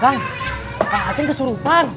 kan pak hacem kesurupan